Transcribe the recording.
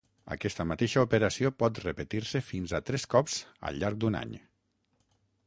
Aquesta mateixa operació pot repetir-se fins a tres cops al llarg d'un any.